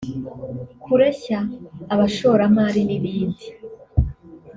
kureshya abashoramari n’ibindi